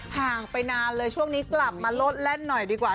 ห่างไปนานเลยช่วงนี้กลับมาโลดแล่นหน่อยดีกว่า